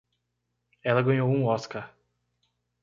Ela ganhou um Oscar.